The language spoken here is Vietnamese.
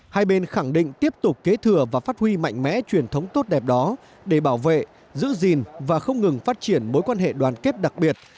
hai bên khẳng định tiếp tục kế thừa và phát huy mạnh mẽ truyền thống tốt đẹp đó để bảo vệ giữ gìn và không ngừng phát triển mối quan hệ đoàn kết đặc biệt